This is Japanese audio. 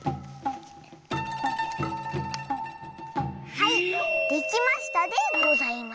はいできましたでございます！